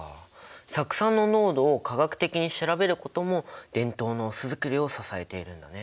酢酸の濃度を化学的に調べることも伝統のお酢づくりを支えているんだね。